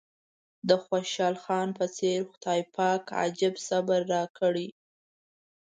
د خوشحال خان په څېر خدای پاک عجيب صبر راکړی.